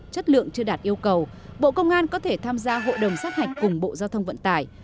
chất lượng chưa đạt yêu cầu bộ công an có thể tham gia hội đồng sát hạch cùng bộ giao thông vận tải